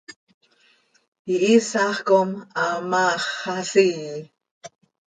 Ihiisax com hamaax xasii.